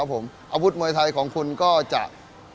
saya juga akan mengingat hal ini